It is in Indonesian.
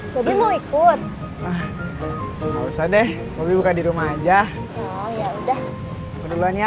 tapi mau ikut ah usah deh mau buka di rumah aja ya udah duluan ya